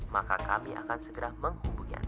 maka kami akan segera menghubungi anda